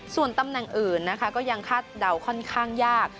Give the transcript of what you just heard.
ส่วนตำแหน่งอื่นนะคะก็ยังคาดเดาค่อนข้างยาก